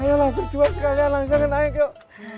ayolah terjual sekalian langsung naik yuk